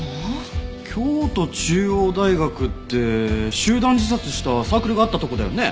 京都中央大学って集団自殺したサークルがあったとこだよね？